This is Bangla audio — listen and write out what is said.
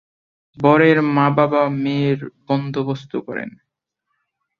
বরের মা-বাবা মেয়ের বন্দোবস্ত করেন।